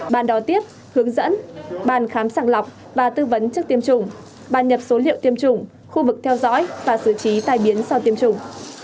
bàn đòi tiếp hướng dẫn bàn khám sạc lọc và tư vấn chức tiêm chủng bàn nhập số liệu tiêm chủng khu vực theo dõi và xử trí tài biến sau tiêm chủng